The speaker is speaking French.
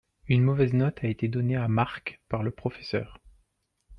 une mauvais note avait été donnée à Mark par le professeur.